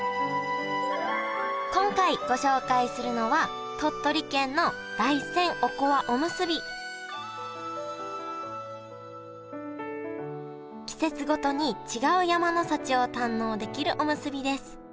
今回ご紹介するのは季節ごとに違う山の幸を堪能できるおむすびです。